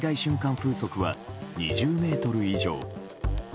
風速は２０メートル以上。